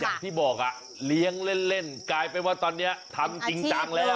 อย่างที่บอกอ่ะเลี้ยงเล่นกลายเป็นว่าตอนนี้ทำจริงจังแล้ว